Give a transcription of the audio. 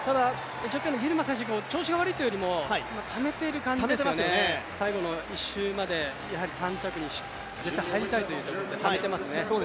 エチオピアのギルマ選手調子が悪いというよりもためている感じですよね、最後の１周まで３着に絶対入りたいというところでためていますね。